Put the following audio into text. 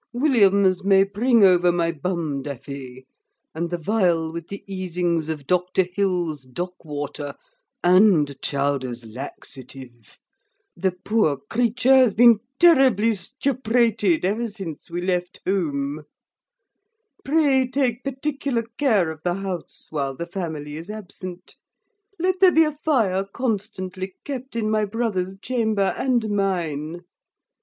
Williams may bring over my bum daffee, and the viol with the easings of Dr Hill's dockwater and Chowder's lacksitif. The poor creature has been terribly stuprated ever since we left huom. Pray take particular care of the house while the family is absent. Let there be a fire constantly kept in my brother's chamber and mine.